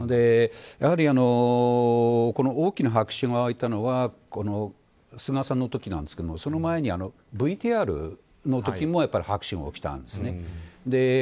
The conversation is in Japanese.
やはり大きな拍手がわいたのは菅さんのときなんですけどその前にＶＴＲのときもやっぱり拍手が起きたんですね。